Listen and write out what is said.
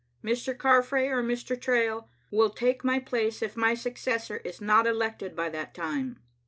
Mr. Carfrae or Mr. Trail will take my place if my successor is not elected by that time.